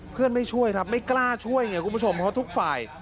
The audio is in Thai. ไม่ช่วยครับไม่กล้าช่วยไงคุณผู้ชมเพราะทุกฝ่าย